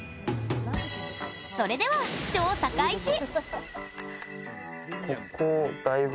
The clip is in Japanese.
それでは、調査開始！